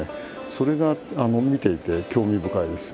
それが見ていて興味深いです。